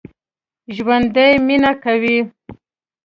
ژوندي مېنه کوي